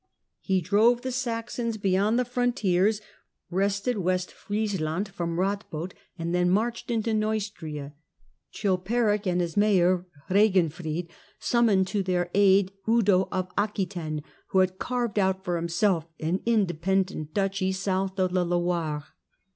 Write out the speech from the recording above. He drove the Saxons beyond the frontiers, wrested West Fries land from Ratbod, and then marched into Neustria. Chilperic and his mayor, Eeginfrid, summoned to their aid Eudo of Aquetaine, who had carved out for himself an independent duchy south of the Loire.